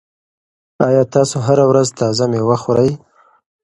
آیا تاسو هره ورځ تازه مېوه خورئ؟